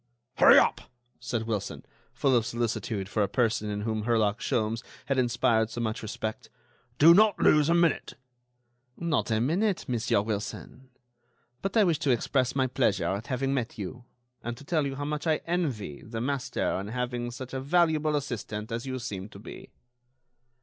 "Hurry up!" said Wilson, full of solicitude for a person in whom Herlock Sholmes had inspired so much respect, "do not lose a minute." "Not a minute, Monsieur Wilson; but I wish to express my pleasure at having met you, and to tell you how much I envy the master in having such a valuable assistant as you seem to be."